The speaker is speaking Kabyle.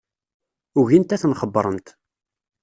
Ugint ad ten-xebbrent.